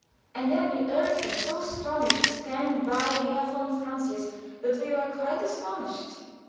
And then he urged them so strongly to stand by Herr von Francius that we were quite astonished.